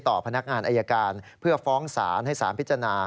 พนักงานอายการเพื่อฟ้องศาลให้สารพิจารณา